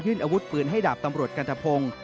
อาวุธปืนให้ดาบตำรวจกันตะพงศ์